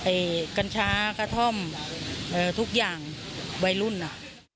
เอ่อกระท่อ่กระท่อมเออทุกอย่างวัยรุ่นน่ะ